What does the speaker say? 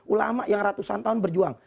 ulama yang ratusan tahun berjuang